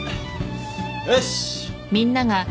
よし。